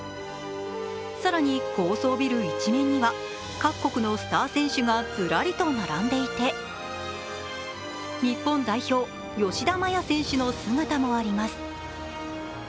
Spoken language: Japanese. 更に、高層ビル一面には各国のスター選手がずらりと並んでいて日本代表、吉田麻也選手の姿もあります。